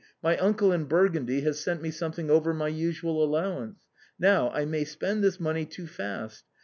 My uncle in Burgundy has sent me something over my usual allowance. Now I may spend this money too fast.